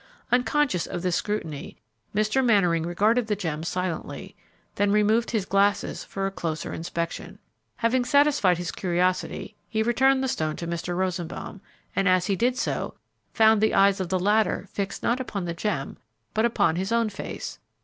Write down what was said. Unconscious of this scrutiny, Mr. Mannering regarded the gem silently, then removed his glasses for a closer inspection. Having satisfied his curiosity, he returned the stone to Mr. Rosenbaum, and as he did so, found the eyes of the latter fixed not upon the gem, but upon his own face.